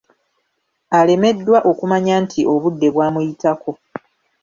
Alemeddwa okumanya nti obudde bwamuyitako